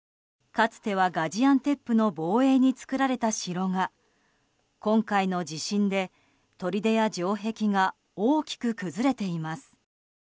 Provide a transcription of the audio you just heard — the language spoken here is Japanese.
かつてはガジアンテップの防衛に作られた城が今回の地震でとりでや城壁が大きく崩れています。